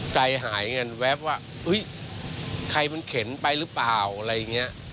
ใจหายอย่างเงี้ยแวบว่าอุ๊ยใครมันเข็นไปหรือเปล่าอะไรอย่างเงี้ย